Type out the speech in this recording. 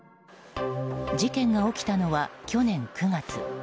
事件が起きたのは去年９月。